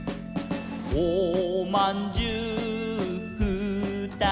「おまんじゅうふーたつ」